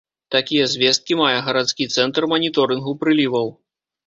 Такія звесткі мае гарадскі цэнтр маніторынгу прыліваў.